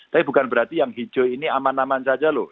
tapi bukan berarti yang hijau ini aman aman saja loh